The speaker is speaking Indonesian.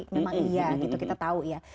memang iya gitu kita tahu ya